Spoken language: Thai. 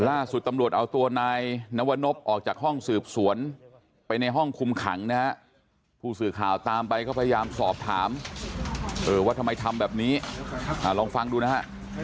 ล่าสุดตำรวจเอาตัวนายนวนพออกจากห้องสืบสวนไปในห้องคุมขังนะฮะผู้สื่อข่าวตามไปก็พยายามสอบถามว่าทำไมทำแบบนี้ลองฟังดูนะฮะ